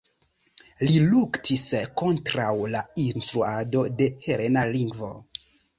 Li luktis kontraŭ la instruado de helena lingvo.